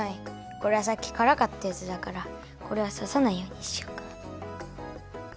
これはさっきからかったやつだからこれはささないようにしようか。